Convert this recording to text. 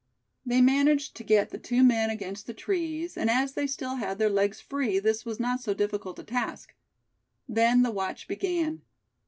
They managed to get the two men against the trees, and as they still had their legs free this was not so difficult a task. Then the watch began.